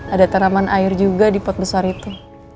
ada tanaman air juga di pot besar itu